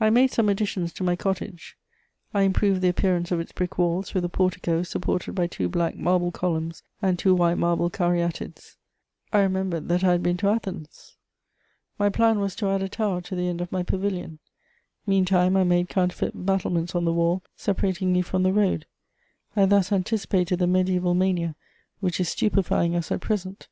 I made some additions to my cottage; I improved the appearance of its brick walls with a portico supported by two black marble columns and two white marble caryatides: I remembered that I had been to Athens. My plan was to add a tower to the end of my pavilion; meantime I made counterfeit battlements on the wall separating me from the road: I thus anticipated the mediæval mania which is stupefying us at present.